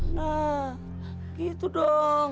nah gitu dong